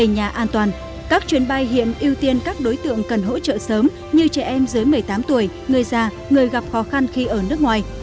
những tư tượng cần hỗ trợ sớm như trẻ em dưới một mươi tám tuổi người già người gặp khó khăn khi ở nước ngoài